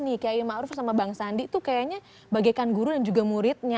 tapi kalau cawapres nih kayak ma'ruf sama bang sandi tuh kayaknya bagaikan guru dan juga muridnya